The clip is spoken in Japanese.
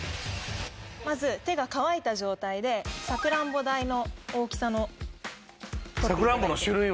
まず手が乾いた状態でさくらんぼ大の大きさの。